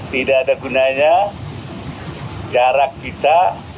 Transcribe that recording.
tidak ada gunanya jarak kita